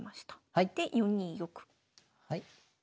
はい。